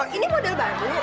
oh ini model baru ya